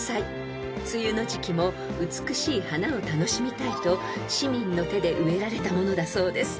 ［梅雨の時季も美しい花を楽しみたいと市民の手で植えられたものだそうです］